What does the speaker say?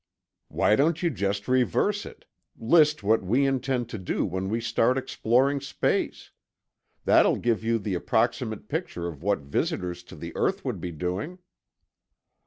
"Why don't you just reverse it—list what we intend to do when we start exploring space? That'll give you the approximate picture of what visitors to the earth would be doing."